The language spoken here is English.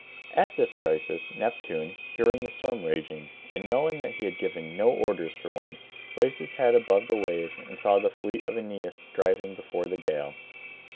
At this crisis, Neptune, hearing the storm raging, and knowing that he had given no orders for one, raised his head above the waves, and saw the fleet of Aeneas driving before the gale.